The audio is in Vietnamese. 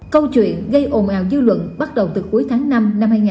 câu chuyện gây ồn ào dư luận bắt đầu từ cuối tháng năm năm hai nghìn một mươi chín